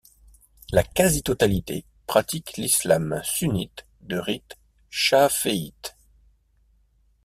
La quasi-totalité pratiquent l'islam sunnite de rite chaféite.